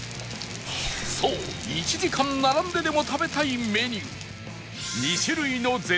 そう１時間並んででも食べたいメニュー